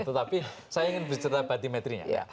tetapi saya ingin bercerita batimetrinya